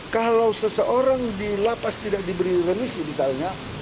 kalau seseorang dilapas tidak diberi remisi misalnya